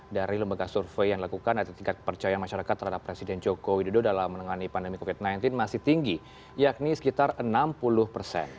dari lembaga survei yang dilakukan atau tingkat kepercayaan masyarakat terhadap presiden joko widodo dalam menangani pandemi covid sembilan belas masih tinggi yakni sekitar enam puluh persen